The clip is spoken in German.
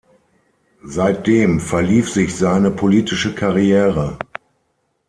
Seitdem verlief sich seine politische Karriere.